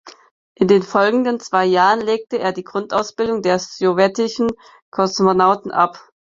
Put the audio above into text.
In den folgenden zwei Jahren legte er die Grundausbildung der sowjetischen Kosmonauten ab.